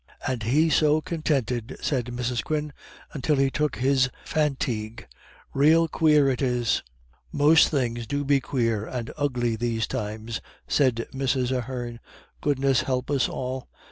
"And he so continted," said Mrs. Quin, "until he took his fantigue. Rael quare it is." "Most things do be quare and ugly these times," said Mrs. Ahern, "Goodness help us all.